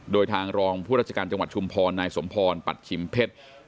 โดยทางรองผู้ราชการจังหวัดชุมพรนายสมพรปัชชิมเพชร